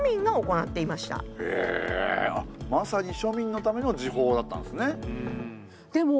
まさに庶民のための時報だったんですね。